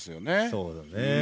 そうだね。